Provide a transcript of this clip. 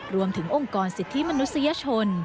รวมถึงองค์กรสิทธิมนุษยชน